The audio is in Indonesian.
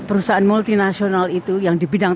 perusahaan multinasional itu yang di bidang